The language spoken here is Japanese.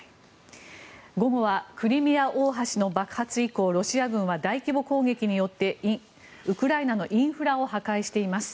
午後はクリミア大橋の爆発以降ロシア軍は大規模攻撃によってウクライナのインフラを破壊しています。